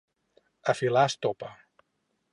A filar estopa!